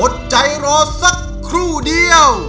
อดใจรอสักครู่เดียว